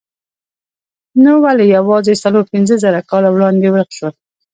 نو ولې یوازې څلور پنځه زره کاله وړاندې ورک شول؟